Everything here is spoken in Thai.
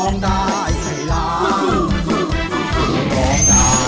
ร้องได้ให้ล้าน